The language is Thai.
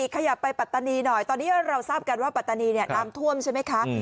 ขยับไปปัตตานีหน่อยตอนนี้เราทราบกันว่าปัตตานีน้ำท่วมใช่ไหมคะ